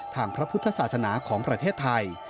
ทางพระพุทธศาสนาของประเทศไทย